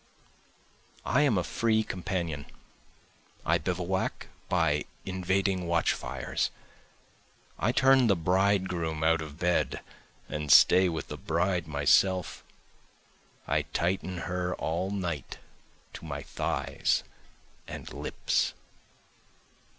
I am a free companion, I bivouac by invading watchfires, I turn the bridegroom out of bed and stay with the bride myself, I tighten her all night to my thighs and lips.